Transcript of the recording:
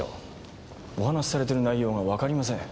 お話しされてる内容がわかりません。